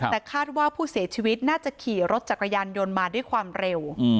แต่คาดว่าผู้เสียชีวิตน่าจะขี่รถจักรยานยนต์มาด้วยความเร็ว